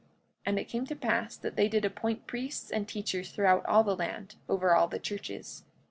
And it came to pass that they did appoint priests and teachers throughout all the land, over all the churches.